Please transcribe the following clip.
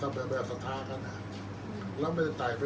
อันไหนที่มันไม่จริงแล้วอาจารย์อยากพูด